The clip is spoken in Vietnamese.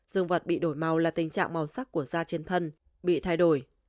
dương vật bị đổi màu là tình trạng màu sắc của da trên thân bị thay đổi